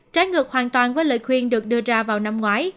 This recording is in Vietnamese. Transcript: trái ngược hoàn toàn với lời khuyên được đưa ra vào năm ngoái